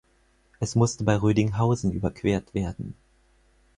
Es musste bei Rödinghausen überquert werden.